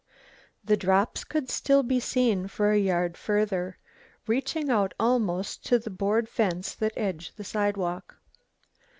The drops could still be seen for a yard further, reaching out almost to the board fence that edged the sidewalk.